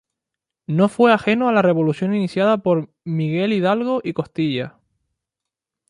No fue ajeno a la revolución iniciada por Miguel Hidalgo y Costilla.